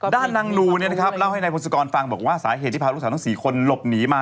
ด้านนางนูเล่าให้นายพงศกรฟังบอกว่าสาเหตุที่พาลูกสาวทั้ง๔คนหลบหนีมา